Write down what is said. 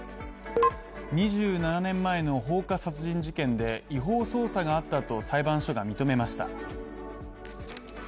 ２７年前の放火殺人事件で違法捜査があったと裁判所が認めました。